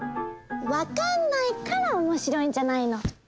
わかんないからおもしろいんじゃないの！